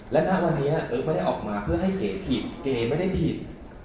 และถ้าวันนี้เออไม่ได้ออกมาเพื่อให้เก๋ผิดเก๋ไม่ได้ผิด